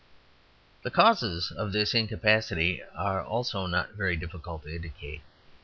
The causes of this incapacity are also not very difficult to indicate.